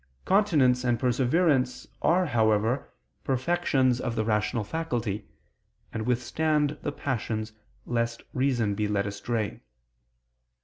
Continency and perseverance are, however, perfections of the rational faculty, and withstand the passions lest reason be led astray.